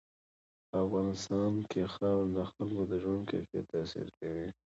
په افغانستان کې خاوره د خلکو د ژوند کیفیت تاثیر کوي.